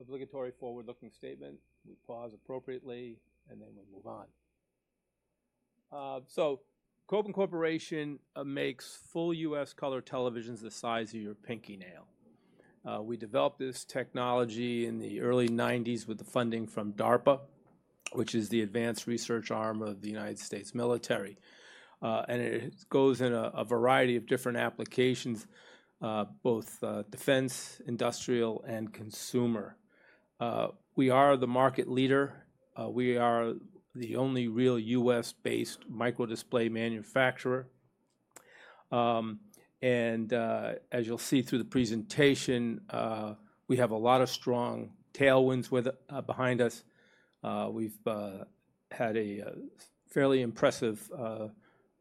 Obligatory forward-looking statement. We pause appropriately, and then we move on. So Kopin Corporation makes full U.S. color televisions the size of your pinky nail. We developed this technology in the early 1990s with the funding from DARPA, which is the advanced research arm of the United States military. And it goes in a variety of different applications, both defense, industrial, and consumer. We are the market leader. We are the only real U.S.-based micro-display manufacturer. And as you'll see through the presentation, we have a lot of strong tailwinds behind us. We've had a fairly impressive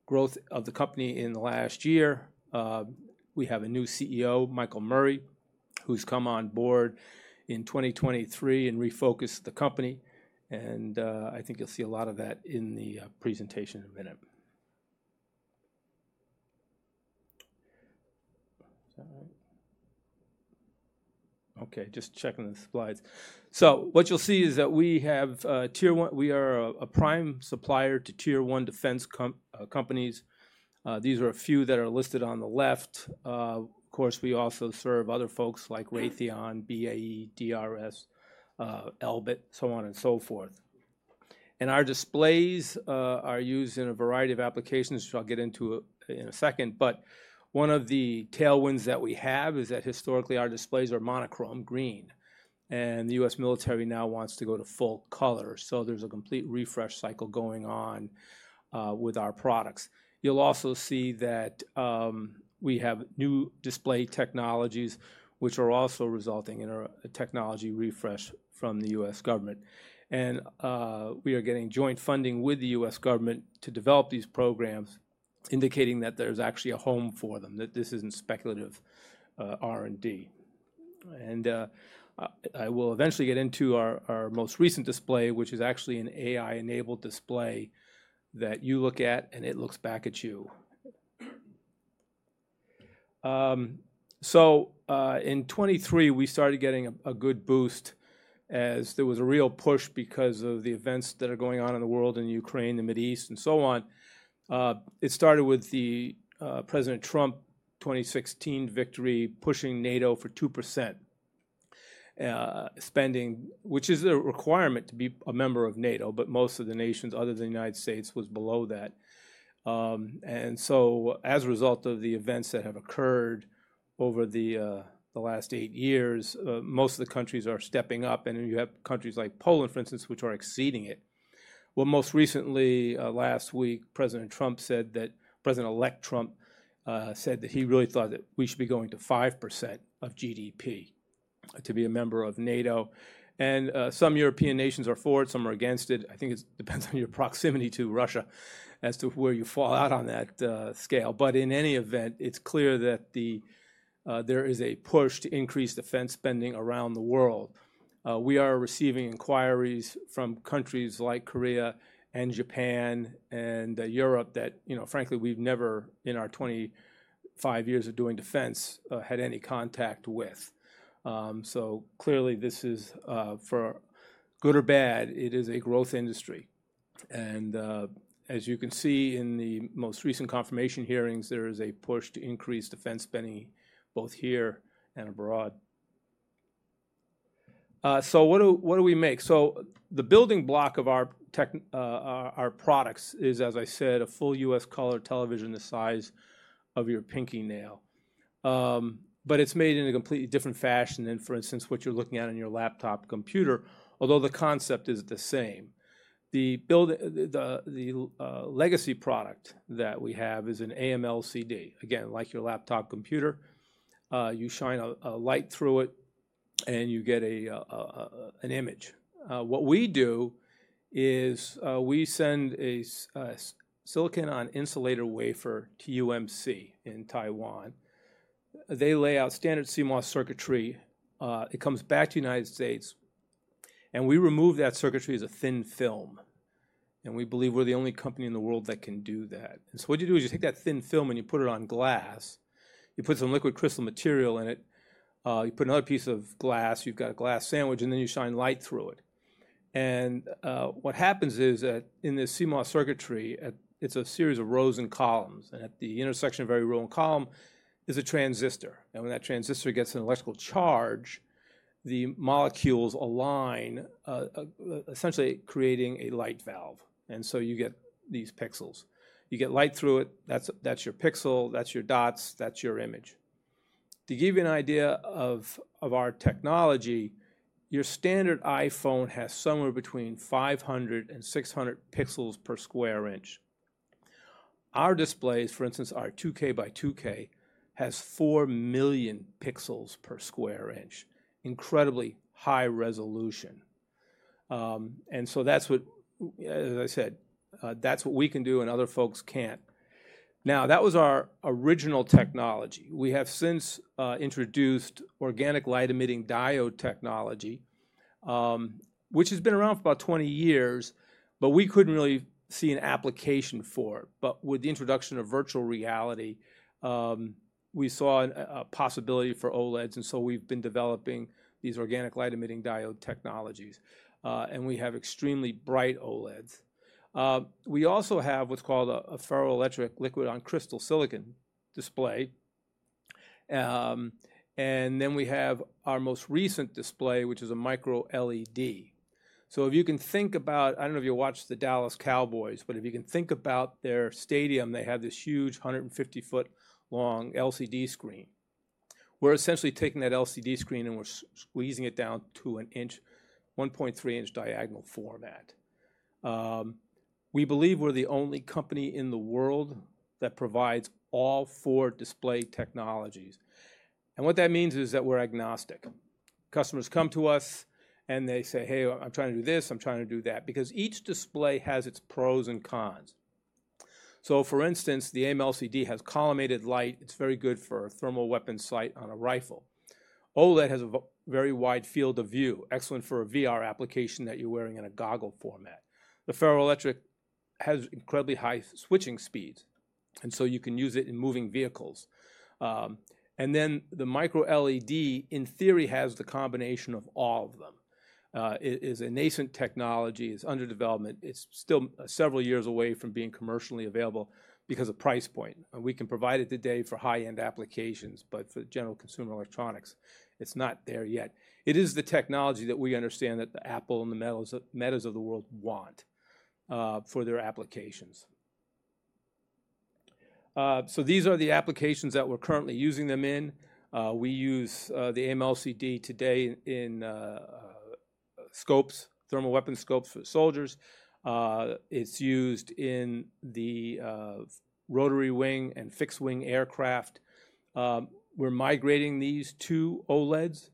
growth of the company in the last year. We have a new CEO, Michael Murray, who's come on board in 2023 and refocused the company. And I think you'll see a lot of that in the presentation in a minute. Okay, just checking the slides. So what you'll see is that we have tier one. We are a prime supplier to tier one defense companies. These are a few that are listed on the left. Of course, we also serve other folks like Raytheon, BAE, DRS, Elbit, so on and so forth. And our displays are used in a variety of applications, which I'll get into in a second. But one of the tailwinds that we have is that historically our displays are monochrome green. And the U.S. military now wants to go to full color. So there's a complete refresh cycle going on with our products. You'll also see that we have new display technologies, which are also resulting in a technology refresh from the U.S. government. And we are getting joint funding with the U.S. government to develop these programs, indicating that there's actually a home for them, that this isn't speculative R&D. I will eventually get into our most recent display, which is actually an AI-enabled display that you look at, and it looks back at you. In 2023, we started getting a good boost as there was a real push because of the events that are going on in the world in Ukraine, the Middle East, and so on. It started with President Trump's 2016 victory pushing NATO for 2% spending, which is a requirement to be a member of NATO. Most of the nations, other than the United States, were below that. As a result of the events that have occurred over the last eight years, most of the countries are stepping up. You have countries like Poland, for instance, which are exceeding it. Most recently, last week, President Trump said that President-elect Trump said that he really thought that we should be going to 5% of GDP to be a member of NATO. Some European nations are for it. Some are against it. I think it depends on your proximity to Russia as to where you fall out on that scale. In any event, it's clear that there is a push to increase defense spending around the world. We are receiving inquiries from countries like Korea and Japan and Europe that, frankly, we've never in our 25 years of doing defense had any contact with. Clearly, this is, for good or bad, it is a growth industry. As you can see in the most recent confirmation hearings, there is a push to increase defense spending both here and abroad. What do we make? The building block of our products is, as I said, a full U.S. color television the size of your pinky nail. But it's made in a completely different fashion than, for instance, what you're looking at on your laptop computer, although the concept is the same. The legacy product that we have is an AMLCD, again, like your laptop computer. You shine a light through it, and you get an image. What we do is we send a silicon-on-insulator wafer, TSMC, in Taiwan. They lay out standard CMOS circuitry. It comes back to the United States. And we remove that circuitry as a thin film. And we believe we're the only company in the world that can do that. And so what you do is you take that thin film and you put it on glass. You put some liquid crystal material in it. You put another piece of glass. You've got a glass sandwich, and then you shine light through it, and what happens is that in this CMOS circuitry, it's a series of rows and columns, and at the intersection of every row and column is a transistor, and when that transistor gets an electrical charge, the molecules align, essentially creating a light valve, and so you get these pixels. You get light through it. That's your pixel. That's your dots. That's your image. To give you an idea of our technology, your standard iPhone has somewhere between 500 and 600 pixels per square inch. Our displays, for instance, our 2K by 2K, has 4 million pixels per square inch, incredibly high resolution, and so that's what, as I said, that's what we can do and other folks can't. Now, that was our original technology. We have since introduced organic light-emitting diode technology, which has been around for about 20 years, but we couldn't really see an application for it, but with the introduction of virtual reality, we saw a possibility for OLEDs, and so we've been developing these organic light-emitting diode technologies, and we have extremely bright OLEDs. We also have what's called a ferroelectric liquid crystal on silicon display, and then we have our most recent display, which is a micro-LED, so if you can think about, I don't know if you watched the Dallas Cowboys, but if you can think about their stadium, they had this huge 150-foot-long LCD screen. We're essentially taking that LCD screen and we're squeezing it down to an inch, 1.3-inch diagonal format. We believe we're the only company in the world that provides all four display technologies, and what that means is that we're agnostic. Customers come to us, and they say, "Hey, I'm trying to do this. I'm trying to do that," because each display has its pros and cons. So for instance, the AMLCD has collimated light. It's very good for a thermal weapon sight on a rifle. OLED has a very wide field of view, excellent for a VR application that you're wearing in a goggle format. The ferroelectric has incredibly high switching speeds. And so you can use it in moving vehicles. And then the micro-LED, in theory, has the combination of all of them. It is a nascent technology. It's under development. It's still several years away from being commercially available because of price point. We can provide it today for high-end applications, but for general consumer electronics, it's not there yet. It is the technology that we understand that the Apple and the Metas of the world want for their applications. So these are the applications that we're currently using them in. We use the AMLCD today in scopes, thermal weapon scopes for soldiers. It's used in the rotary wing and fixed-wing aircraft. We're migrating these to OLEDs,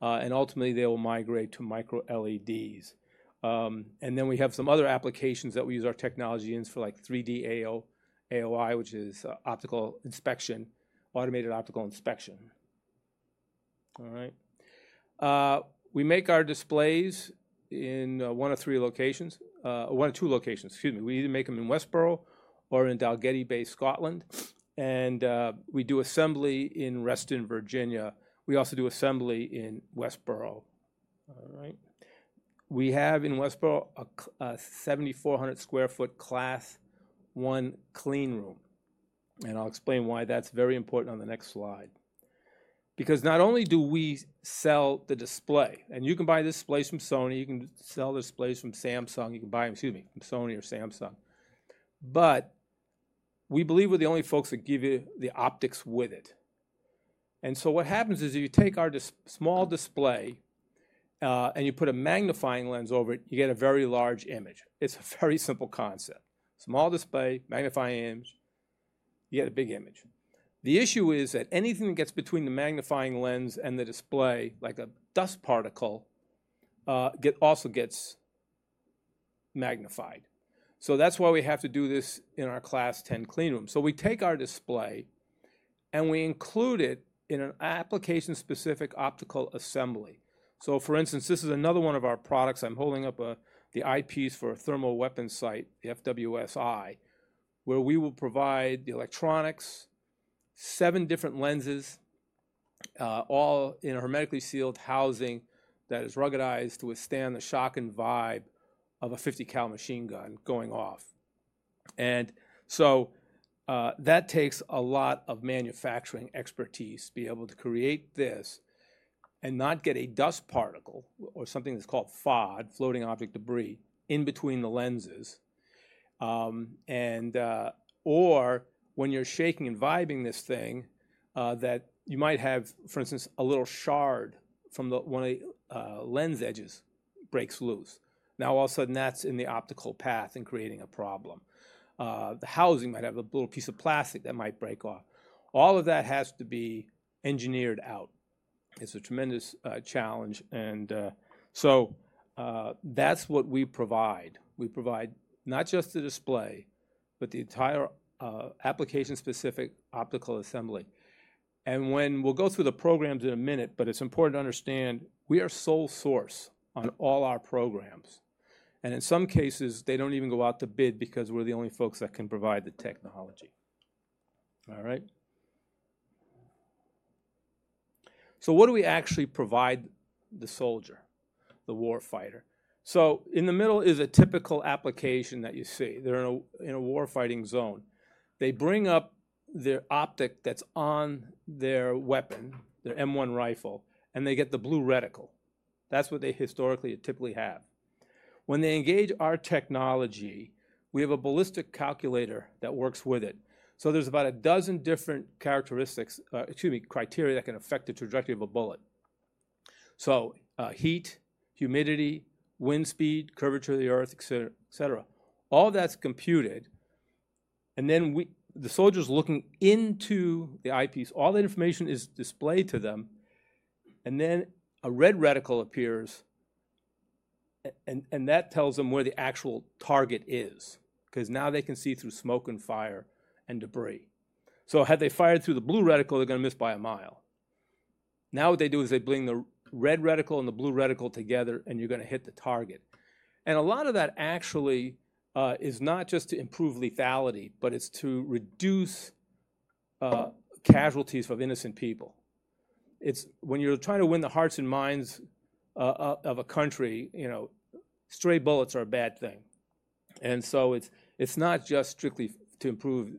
and ultimately they will migrate to micro-LEDs. And then we have some other applications that we use our technology in for like 3D AOI, which is optical inspection, automated optical inspection. All right. We make our displays in one of three locations, one of two locations. Excuse me. We either make them in Westborough or in Dalgety Bay, Scotland. And we do assembly in Reston, Virginia. We also do assembly in Westborough. All right. We have in Westborough a 7,400 sq ft Class I cleanroom, I'll explain why that's very important on the next slide. Because not only do we sell the display, and you can buy this display from Sony. You can sell the displays from Samsung. You can buy, excuse me, from Sony or Samsung. We believe we're the only folks that give you the optics with it. What happens is if you take our small display and you put a magnifying lens over it, you get a very large image. It's a very simple concept. Small display, magnifying image. You get a big image. The issue is that anything that gets between the magnifying lens and the display, like a dust particle, also gets magnified. That's why we have to do this in our Class I cleanroom. We take our display and we include it in an application-specific optical assembly. For instance, this is another one of our products. I'm holding up the eyepiece for a thermal weapon sight, the FWS-I, where we will provide the electronics, seven different lenses, all in a hermetically sealed housing that is ruggedized to withstand the shock and vibe of a .50 cal machine gun going off. And so that takes a lot of manufacturing expertise to be able to create this and not get a dust particle or something that's called FOD, floating object debris, in between the lenses. And/or when you're shaking and vibing this thing, that you might have, for instance, a little shard from one of the lens edges breaks loose. Now, all of a sudden, that's in the optical path and creating a problem. The housing might have a little piece of plastic that might break off. All of that has to be engineered out. It's a tremendous challenge. And so that's what we provide. We provide not just the display, but the entire application-specific optical assembly. And we'll go through the programs in a minute, but it's important to understand we are sole source on all our programs. And in some cases, they don't even go out to bid because we're the only folks that can provide the technology. All right. So what do we actually provide the soldier, the war fighter? So in the middle is a typical application that you see. They're in a war fighting zone. They bring up their optic that's on their weapon, their M1 rifle, and they get the blue reticle. That's what they historically typically have. When they engage our technology, we have a ballistic calculator that works with it. There's about a dozen different characteristics, excuse me, criteria that can affect the trajectory of a bullet. Heat, humidity, wind speed, curvature of the earth, et cetera. All that's computed. Then the soldier's looking into the eyepiece. All that information is displayed to them. Then a red reticle appears. That tells them where the actual target is because now they can see through smoke and fire and debris. Had they fired through the blue reticle, they're going to miss by a mile. Now what they do is they bring the red reticle and the blue reticle together, and you're going to hit the target. A lot of that actually is not just to improve lethality, but it's to reduce casualties of innocent people. When you're trying to win the hearts and minds of a country, stray bullets are a bad thing. And so it's not just strictly to improve.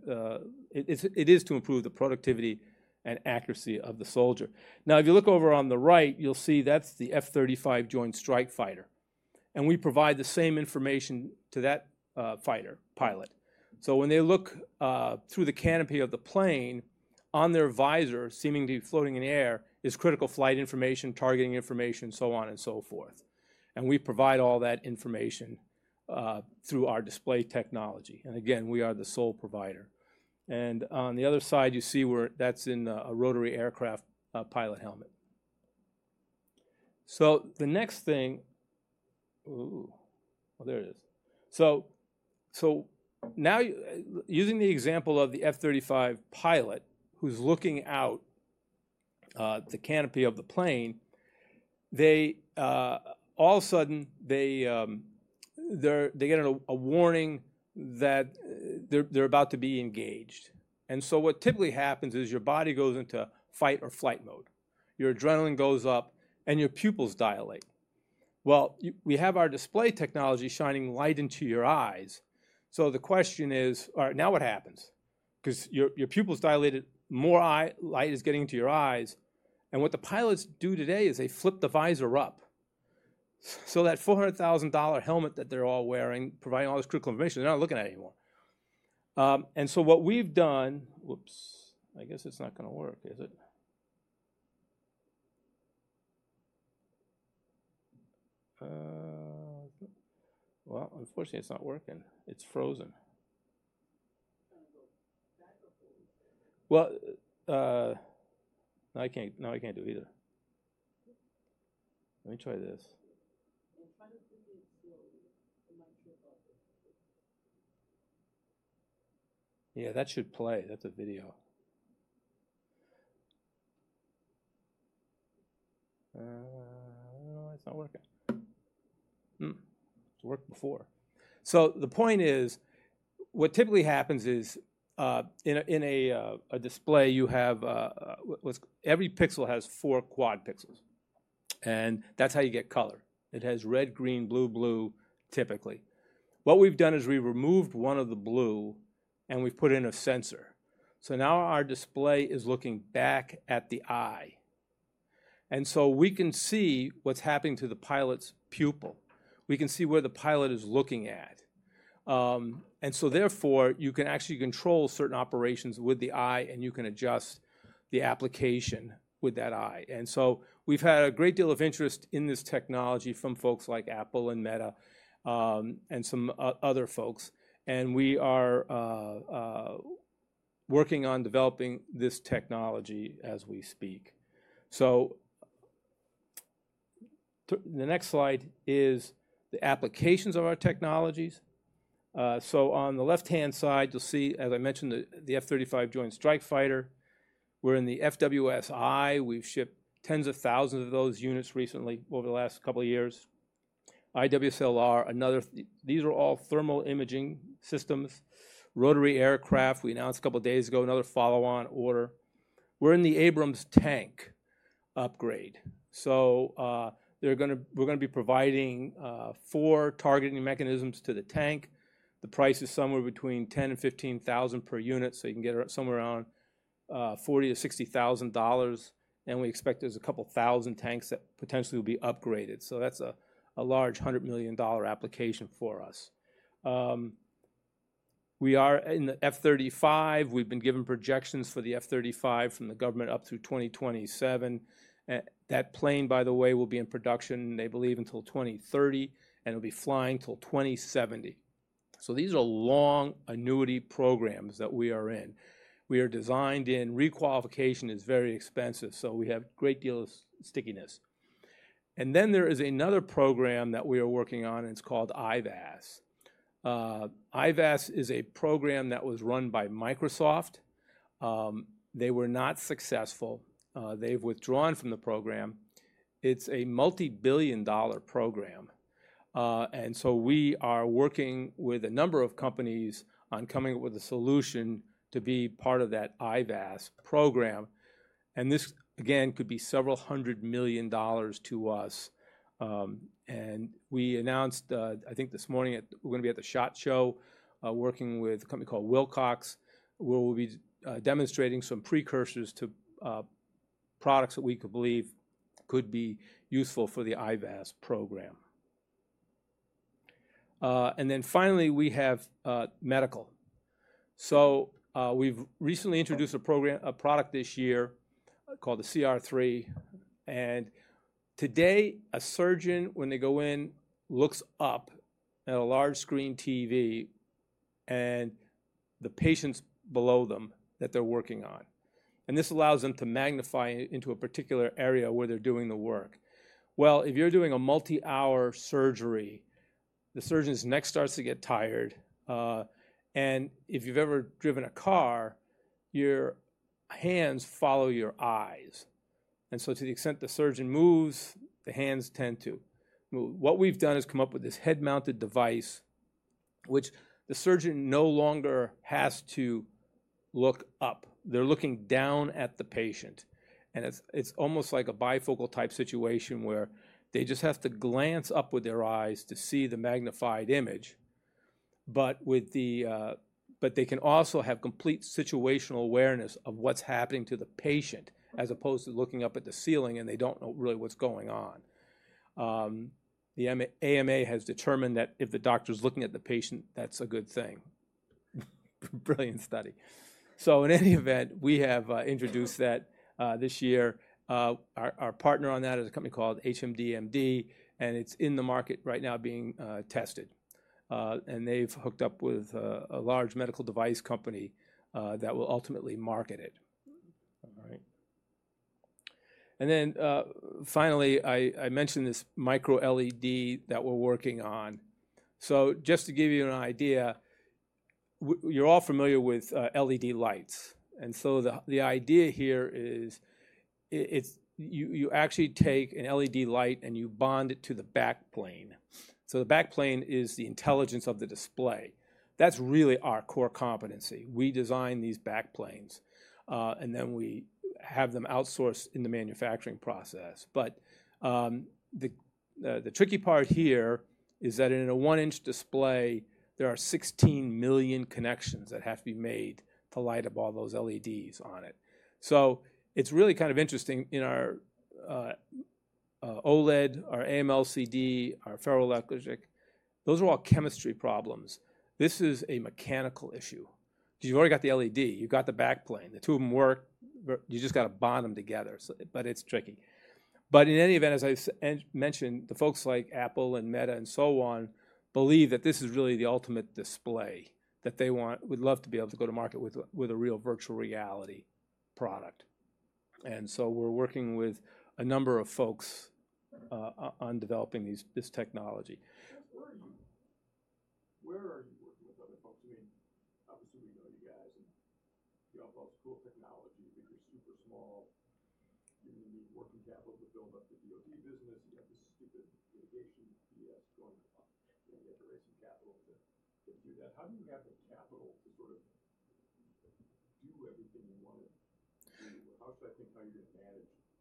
It is to improve the productivity and accuracy of the soldier. Now, if you look over on the right, you'll see that's the F-35 Joint Strike Fighter. And we provide the same information to that fighter pilot. So when they look through the canopy of the plane, on their visor, seeming to be floating in the air, is critical flight information, targeting information, so on and so forth. And we provide all that information through our display technology. And again, we are the sole provider. And on the other side, you see where that's in a rotary aircraft pilot helmet. So the next thing. Ooh, there it is. So now, using the example of the F-35 pilot who's looking out the canopy of the plane, all of a sudden, they get a warning that they're about to be engaged. And so what typically happens is your body goes into fight or flight mode. Your adrenaline goes up, and your pupils dilate. Well, we have our display technology shining light into your eyes. So the question is, all right, now what happens? Because your pupils dilated, more light is getting into your eyes. And what the pilots do today is they flip the visor up. So that $400,000 helmet that they're all wearing, providing all this critical information, they're not looking at it anymore. And so what we've done. Oops, I guess it's not going to work, is it? Well, unfortunately, it's not working. It's frozen. Well, now we can't do it either. Let me try this. Yeah, that should play. That's a video. It's not working. It worked before. So the point is, what typically happens is in a display, you have every pixel has four quad pixels. And that's how you get color. It has red, green, blue, blue, typically. What we've done is we removed one of the blue, and we've put in a sensor. So now our display is looking back at the eye. And so we can see what's happening to the pilot's pupil. We can see where the pilot is looking at. And so therefore, you can actually control certain operations with the eye, and you can adjust the application with that eye. And so we've had a great deal of interest in this technology from folks like Apple and Meta and some other folks. And we are working on developing this technology as we speak. So the next slide is the applications of our technologies. So on the left-hand side, you'll see, as I mentioned, the F-35 Joint Strike Fighter. We're in the FWS-I. We've shipped tens of thousands of those units recently over the last couple of years. IWS-LR, another, these are all thermal imaging systems. Rotary aircraft, we announced a couple of days ago, another follow-on order. We're in the Abrams tank upgrade, so we're going to be providing four targeting mechanisms to the tank. The price is somewhere between $10-15 thousand per unit, so you can get somewhere around $40-60 thousand. And we expect there's a couple thousand tanks that potentially will be upgraded, so that's a large $100 million application for us. We are in the F-35. We've been given projections for the F-35 from the government up through 2027. That plane, by the way, will be in production, they believe, until 2030, and it'll be flying till 2070, so these are long annuity programs that we are in. We are designed in. Requalification is very expensive, so we have a great deal of stickiness, and then there is another program that we are working on, and it's called IVAS. IVAS is a program that was run by Microsoft. They were not successful. They've withdrawn from the program. It's a multi-billion-dollar program, and so we are working with a number of companies on coming up with a solution to be part of that IVAS program. And this, again, could be several hundred million dollars to us. And we announced, I think this morning, we're going to be at the SHOT Show working with a company called Wilcox, where we'll be demonstrating some precursors to products that we believe could be useful for the IVAS program. And then finally, we have medical, so we've recently introduced a product this year called the CR-3. Today, a surgeon, when they go in, looks up at a large screen TV and the patients below them that they're working on. This allows them to magnify into a particular area where they're doing the work. If you're doing a multi-hour surgery, the surgeon's neck starts to get tired. If you've ever driven a car, your hands follow your eyes. To the extent the surgeon moves, the hands tend to move. What we've done is come up with this head-mounted device, which the surgeon no longer has to look up. They're looking down at the patient. It's almost like a bifocal-type situation where they just have to glance up with their eyes to see the magnified image. But they can also have complete situational awareness of what's happening to the patient as opposed to looking up at the ceiling, and they don't know really what's going on. The AMA has determined that if the doctor's looking at the patient, that's a good thing. Brilliant study. So in any event, we have introduced that this year. Our partner on that is a company called HMDmd, and it's in the market right now being tested. And they've hooked up with a large medical device company that will ultimately market it. All right. And then finally, I mentioned this micro-LED that we're working on. So just to give you an idea, you're all familiar with LED lights. And so the idea here is you actually take an LED light and you bond it to the backplane. So the backplane is the intelligence of the display. That's really our core competency. We design these backplanes, and then we have them outsourced in the manufacturing process. But the tricky part here is that in a one-inch display, there are 16 million connections that have to be made to light up all those LEDs on it. So it's really kind of interesting. In our OLED, our AMLCD, our ferroelectric, those are all chemistry problems. This is a mechanical issue. Because you've already got the LED, you've got the backplane. The two of them work. You just got to bond them together. But it's tricky. But in any event, as I mentioned, the folks like Apple and Meta and so on believe that this is really the ultimate display that they would love to be able to go to market with a real virtual reality product. And so we're working with a number of folks on developing this technology. Where are you working with other folks? I mean, obviously, we know you guys. And you all bought some cool technology.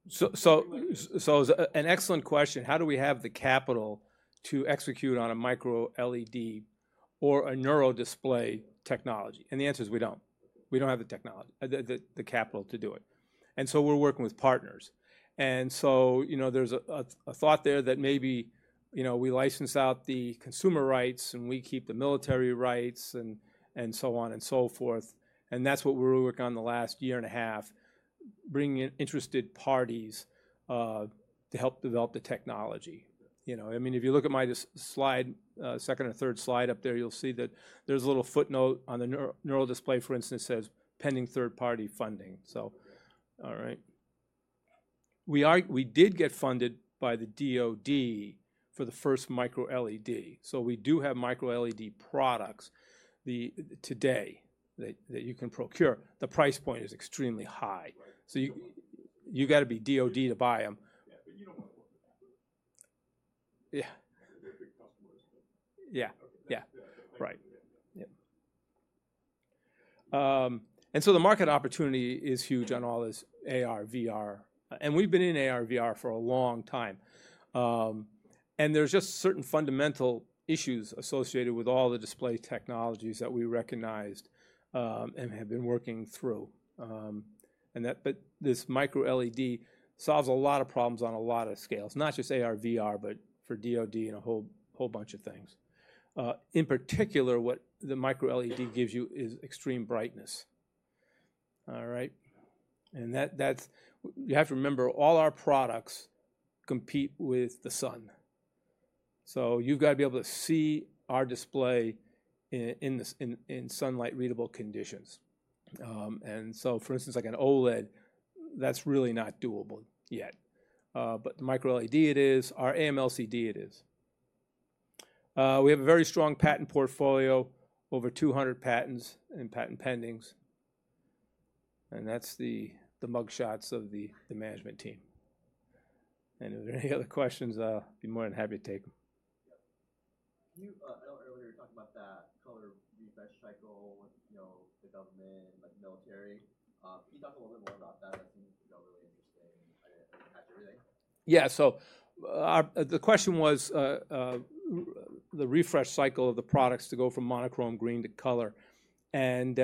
You're super small. You need working capital to build up the DOD business. You have this stupid mitigation BS going on. You have to raise some capital to do that. How do you have the capital to sort of do everything you want to do? How should I think how you're going to manage? So it's an excellent question. How do we have the capital to execute on a micro-LED or a NeuralDisplay technology? And the answer is we don't. We don't have the capital to do it. And so we're working with partners. And so there's a thought there that maybe we license out the consumer rights and we keep the military rights and so on and so forth. And that's what we're working on the last year and a half, bringing in interested parties to help develop the technology. I mean, if you look at my second or third slide up there, you'll see that there's a little footnote on the NeuralDisplay, for instance, that says, "Pending third-party funding." So, all right. We did get funded by the DOD for the first micro-LED. So we do have micro-LED products today that you can procure. The price point is extremely high. So you got to be DOD to buy them. Yeah, but you don't want to work with that group. Yeah. They're big customers. Yeah. Yeah. Right. Yeah. And so the market opportunity is huge on all this AR, VR. And we've been in AR, VR for a long time. There are just certain fundamental issues associated with all the display technologies that we recognized and have been working through. But this micro-LED solves a lot of problems on a lot of scales, not just AR, VR, but for DOD and a whole bunch of things. In particular, what the micro-LED gives you is extreme brightness. All right. You have to remember all our products compete with the sun. So you've got to be able to see our display in sunlight-readable conditions. And so, for instance, like an OLED, that's really not doable yet. But the micro-LED it is, our AMLCD it is. We have a very strong patent portfolio, over 200 patents and patent pendings. And that's the mugshots of the management team. And if there are any other questions, I'll be more than happy to take them. Earlier, you were talking about that color refresh cycle with the government, military. Can you talk a little bit more about that? That seems really interesting. I didn't catch everything. Yeah. So the question was the refresh cycle of the products to go from monochrome green to color. And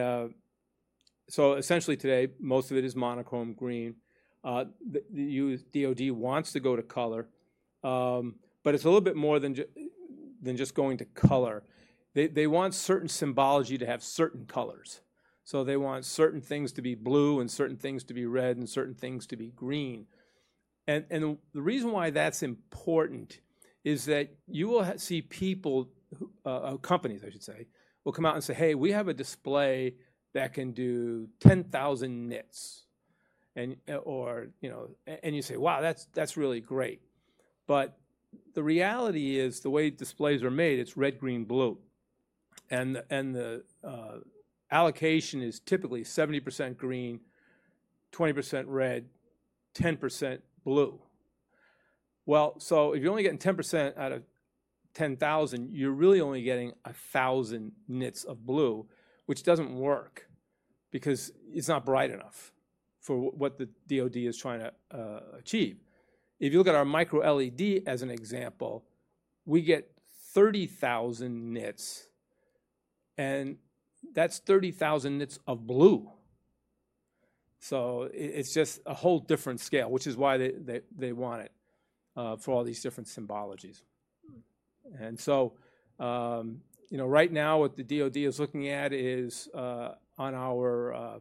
so essentially today, most of it is monochrome green. The DoD wants to go to color. But it's a little bit more than just going to color. They want certain symbology to have certain colors. So they want certain things to be blue and certain things to be red and certain things to be green. And the reason why that's important is that you will see people, companies, I should say, will come out and say, "Hey, we have a display that can do 10,000 nits." And you say, "Wow, that's really great." But the reality is the way displays are made, it's red, green, blue. And the allocation is typically 70% green, 20% red, 10% blue. Well, so if you're only getting 10% out of 10,000, you're really only getting 1,000 nits of blue, which doesn't work because it's not bright enough for what the DOD is trying to achieve. If you look at our micro-LED as an example, we get 30,000 nits. And that's 30,000 nits of blue. So it's just a whole different scale, which is why they want it for all these different symbologies. And so right now, what the DOD is looking at is on our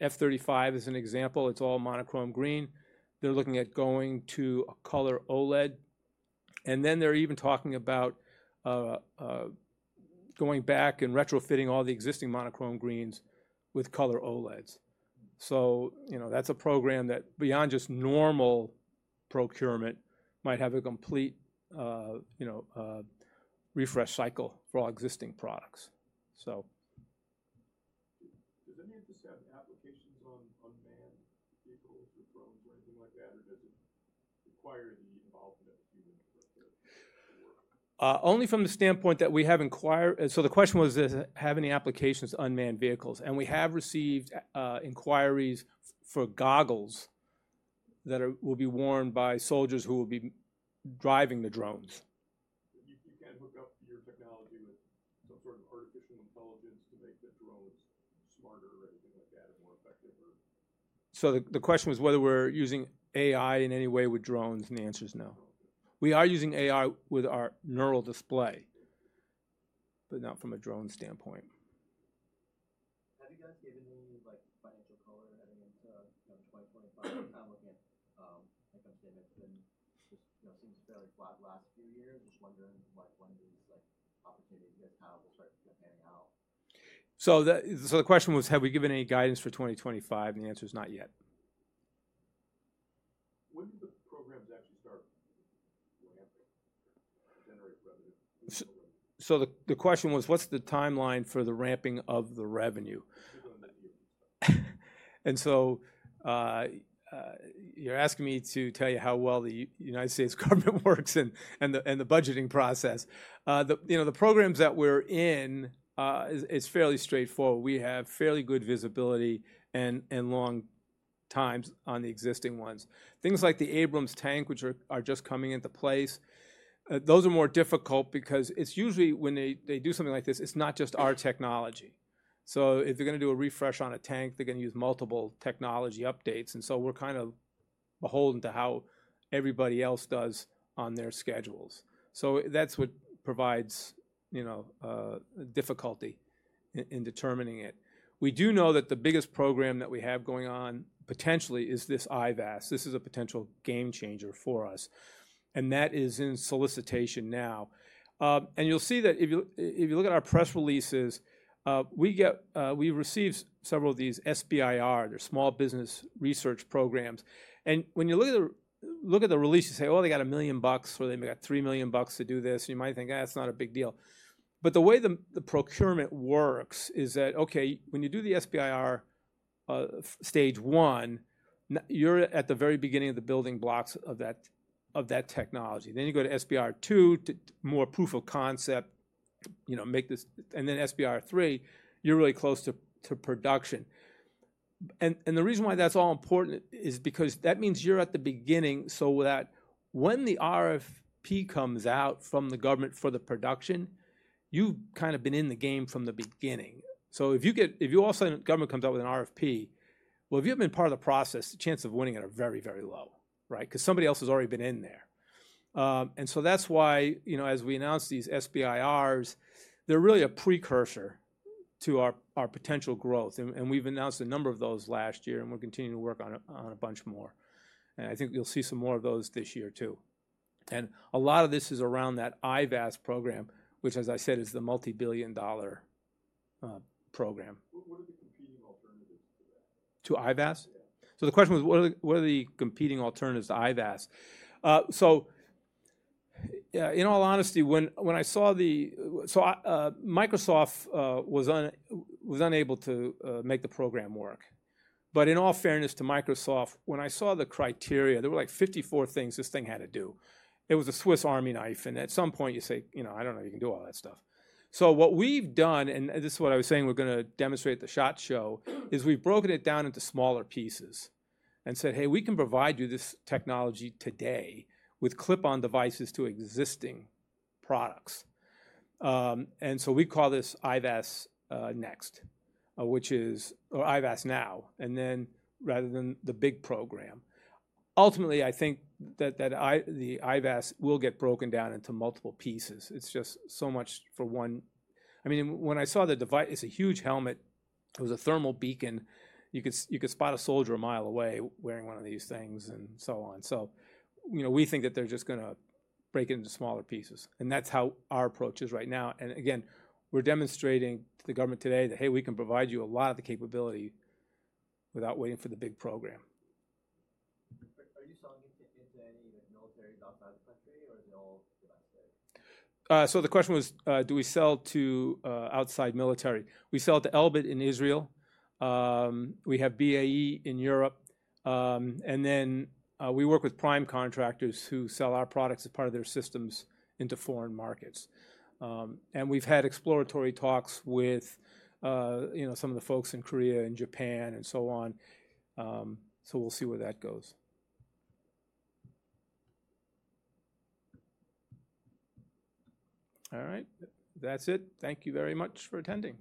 F-35 as an example, it's all monochrome green. They're looking at going to a color OLED. And then they're even talking about going back and retrofitting all the existing monochrome greens with color OLEDs. So that's a program that, beyond just normal procurement, might have a complete refresh cycle for all existing products. Does any of this have applications on unmanned vehicles or drones or anything like that? Or does it require the involvement of a human to work? Only from the standpoint that we have inquiries. So the question was, does it have any applications to unmanned vehicles? And we have received inquiries for goggles that will be worn by soldiers who will be driving the drones. You can't hook up your technology with some sort of artificial intelligence to make the drones smarter or anything like that or more effective or. So the question was whether we're using AI in any way with drones, and the answer is no. We are using AI with our NeuralDisplay, but not from a drone standpoint. Have you guys given any financial color heading into 2025? I'm looking at some statements and just seems fairly flat last few years. Just wondering when these opportunities you guys have will start to kind of pan out. So the question was, have we given any guidance for 2025, and the answer is not yet. When did the programs actually start ramping to generate revenue? So the question was, what's the timeline for the ramping of the revenue? And so you're asking me to tell you how well the United States government works and the budgeting process. The programs that we're in is fairly straightforward. We have fairly good visibility and long times on the existing ones. Things like the Abrams tank, which are just coming into place, those are more difficult because it's usually when they do something like this, it's not just our technology. So if they're going to do a refresh on a tank, they're going to use multiple technology updates. And so we're kind of beholden to how everybody else does on their schedules. So that's what provides difficulty in determining it. We do know that the biggest program that we have going on potentially is this IVAS. This is a potential game changer for us. And that is in solicitation now. You'll see that if you look at our press releases, we receive several of these SBIR. They're small business research programs. And when you look at the release, you say, "Oh, they got $1 million or they got $3 million to do this." And you might think, "That's not a big deal." But the way the procurement works is that, okay, when you do the SBIR stage one, you're at the very beginning of the building blocks of that technology. Then you go to SBIR 2, more proof of concept, make this. And then SBIR 3, you're really close to production. And the reason why that's all important is because that means you're at the beginning. So when the RFP comes out from the government for the production, you've kind of been in the game from the beginning. So if the government comes out with an RFP, well, if you haven't been part of the process, the chance of winning it are very, very low, right? Because somebody else has already been in there. And so that's why as we announce these SBIRs, they're really a precursor to our potential growth. And we've announced a number of those last year, and we're continuing to work on a bunch more. And I think you'll see some more of those this year too. And a lot of this is around that IVAS program, which, as I said, is the multi-billion-dollar program. What are the competing alternatives to that? To IVAS? Yeah. So the question was, what are the competing alternatives to IVAS? So in all honesty, when I saw Microsoft was unable to make the program work. But in all fairness to Microsoft, when I saw the criteria, there were like 54 things this thing had to do. It was a Swiss army knife. And at some point, you say, "I don't know if you can do all that stuff." So what we've done, and this is what I was saying we're going to demonstrate at the SHOT Show, is we've broken it down into smaller pieces and said, "Hey, we can provide you this technology today with clip-on devices to existing products." And so we call this IVAS Next, which is or IVAS Now, and then rather than the big program. Ultimately, I think that the IVAS will get broken down into multiple pieces. It's just so much for one. I mean, when I saw the device, it's a huge helmet. It was a thermal beacon. You could spot a soldier a mile away wearing one of these things and so on. We think that they're just going to break it into smaller pieces. That's how our approach is right now. We're demonstrating to the government today that, "Hey, we can provide you a lot of the capability without waiting for the big program." Are you selling it to any militaries outside the country, or are they all domestic? The question was, do we sell to outside military? We sell to Elbit in Israel. We have BAE in Europe. Then we work with prime contractors who sell our products as part of their systems into foreign markets. We've had exploratory talks with some of the folks in Korea and Japan and so on. We'll see where that goes. All right. That's it. Thank you very much for attending.